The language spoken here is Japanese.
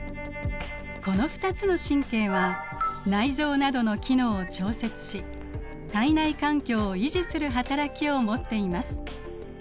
この２つの神経は内臓などの機能を調節し体内環境を維持する働きを持っています。